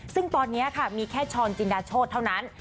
ซึ่งตอนนี้ค่ะมีแค่ช้อนจินดาโชธเท่านั้น